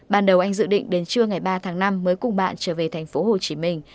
ban đầu anh dự định đến trưa ngày ba tháng năm mới cùng bạn trở về thành phố hồ chí minh